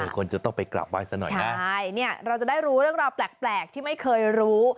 คนจะต้องไปกลับไว้สักหน่อยใช่เราจะได้รู้เรื่องราวแปลกที่ไม่เคยรู้